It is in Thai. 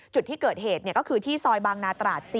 จุดที่เกิดเหตุก็คือที่ซอยบางนาตราด๔